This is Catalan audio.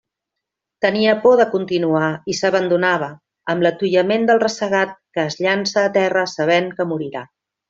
Tenia por de continuar, i s'abandonava, amb l'atuïment del ressagat que es llança a terra sabent que morirà.